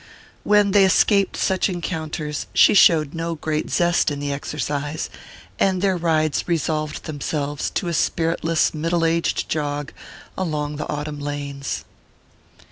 When they escaped such encounters she showed no great zest in the exercise, and their rides resolved themselves into a spiritless middle aged jog along the autumn lanes.